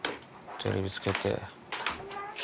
テレビつけて。